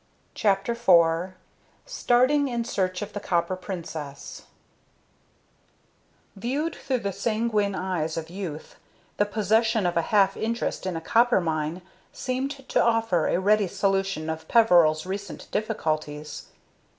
CHAPTER IV STARTING IN SEARCH OF THE COPPER PRINCESS Viewed through the sanguine eyes of youth, the possession of a half interest in a copper mine seemed to offer a ready solution of Peveril's recent difficulties.